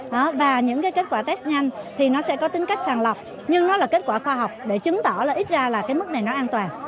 đó và những cái kết quả test nhanh thì nó sẽ có tính cách sàng lọc nhưng nó là kết quả khoa học để chứng tỏ là ít ra là cái mức này nó an toàn